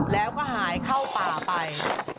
แล้วก็หายเข้าป่าไป